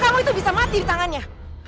kamu itu bisa mati di tangannya